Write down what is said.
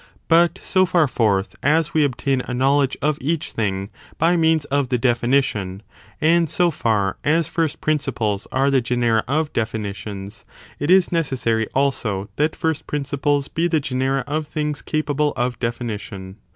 But so far forth as we obtain a knowledge of each thing by means of the definitions, and so &r as first principles are the genera of definitions, it is necessary, also, that first principles be the general of things capable of definition.